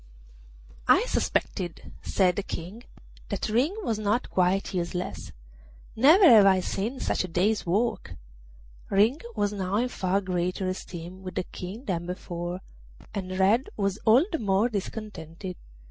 'I suspected,' said the King, 'that Ring was not quite useless; never have I seen such a day's work.' Ring was now in far greater esteem with the King than before, and Red was all the more discontented.